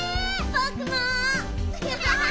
ぼくも！